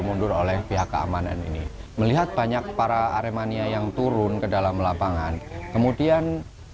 mundur oleh pihak keamanan ini melihat banyak para aremania yang turun ke dalam lapangan kemudian